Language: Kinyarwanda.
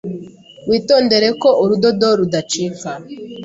Witondere ko urudodo rudacika.